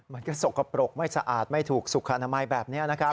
มันก็สกปรกไม่สะอาดไม่ถูกสุขอนามัยแบบนี้นะครับ